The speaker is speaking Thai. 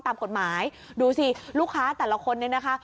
ตามกฎหมายดูสิลูกค้าแต่ละคนเนี่ยนะคะ